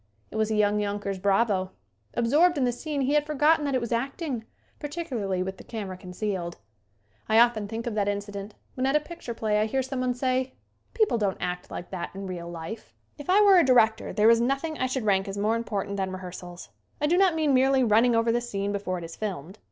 It was a young Yonkers bravo. Absorbed in the scene he had forgotten that it was acting, particularly with the camera concealed. I often think of that incident when at a pic ture play I hear someone say: "People don't act like that in real life." 90 SCREEN ACTING If I were a director there is nothing I should rank as more important than rehearsals. I do not mean merely running over the scene before it is filmed.